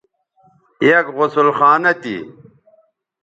یک غسل خانہ تھی